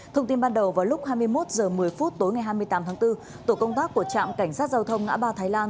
thông tin ban đầu vào lúc hai mươi một h một mươi tối ngày hai mươi tám tháng bốn tổ công tác của trạm cảnh sát giao thông ngã ba thái lan